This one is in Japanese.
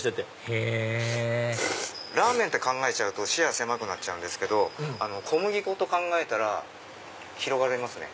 へぇラーメンって考えちゃうと視野狭くなっちゃうけど小麦粉と考えたら広がりますね